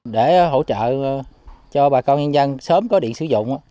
để hỗ trợ cho bà con nhân dân sớm có điện sử dụng